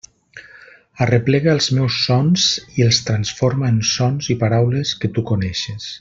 Arreplega els meus sons i els transforma en sons i paraules que tu coneixes.